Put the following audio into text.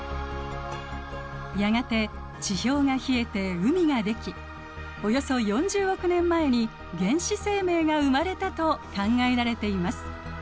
やがて地表が冷えて海ができおよそ４０億年前に原始生命が生まれたと考えられています。